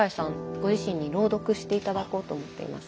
ご自身に朗読して頂こうと思っています。